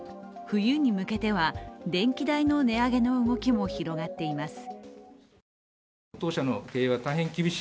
冬に向けては電気代の値上げの動きも広がっています。